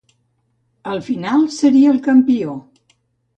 Al final, seria el campió.